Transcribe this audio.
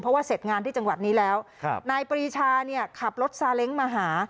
เพราะว่าเสร็จงานที่จังหวัดนี้แล้วครับนายปรีชาเนี่ยขับรถซาเล้งมาหา